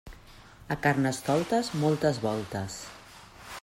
A Carnestoltes, moltes voltes.